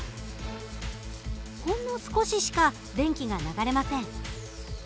ほんの少ししか電気が流れません。